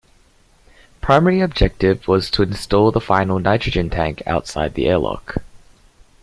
Primary objective was to install the final nitrogen tank outside the airlock.